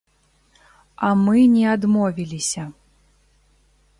А мы не адмовіліся.